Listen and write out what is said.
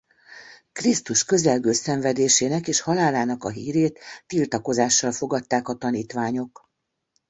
Krisztus közelgő szenvedésének és halálának a hírét tiltakozással fogadták a tanítványok.